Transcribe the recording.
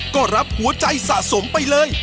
ก็รับหัวใจสะสมไปเลย